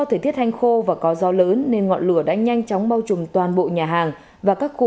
thời tiết hanh khô và có gió lớn nên ngọn lửa đã nhanh chóng bao trùm toàn bộ nhà hàng và các khu